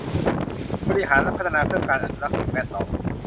บริหารและพัฒนาเพื่อการอนุรักษ์สิ่งแวดล้อม